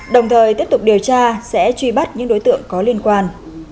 đồng thời tiếp tục điều tra sẽ truy bắt những đối tượng có liên quan